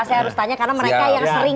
saya harus tanya karena mereka yang sering